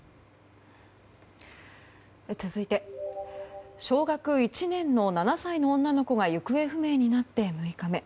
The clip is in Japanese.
続いて小学１年の７歳の女の子が行方不明になって６日目。